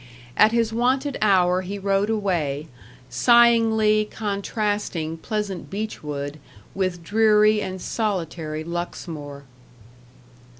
At his wonted hour he rode away, sighingly contrasting pleasant Beechwood with dreary and solitary Luxmore.